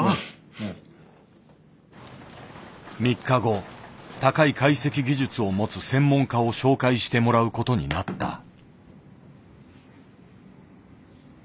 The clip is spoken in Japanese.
３日後高い解析技術を持つ専門家を紹介してもらう事になった。